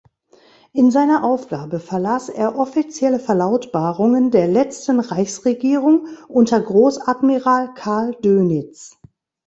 In seiner Aufgabe verlas er offizielle Verlautbarungen der letzten Reichsregierung unter Großadmiral Karl Dönitz.